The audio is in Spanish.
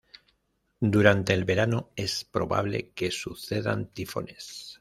Durante el verano, es probable que sucedan tifones.